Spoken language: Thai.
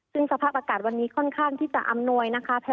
ซึ่งสภาพอากาศวันนี้ค่อนข้างที่จะอำนวยนะคะ